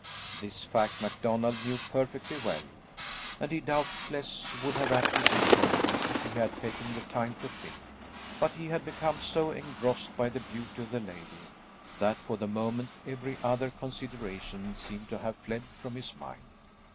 This fact MacDonald knew perfectly well, and he doubtless would have acted differently if he had taken the time to think, but he had become so engrossed by the beauty of the lady, that, for the moment, every other consideration seemed to have fled from his mind.